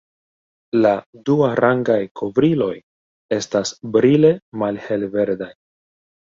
La duarangaj kovriloj estas brile malhelverdaj.